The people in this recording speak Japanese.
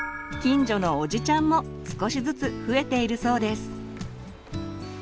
「近所のおじちゃん」も少しずつ増えているそうです。